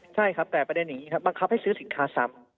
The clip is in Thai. ใช่ครับแต่ประเด็นอย่างนี้ครับบังคับให้ซื้อสินค้าซ้ำ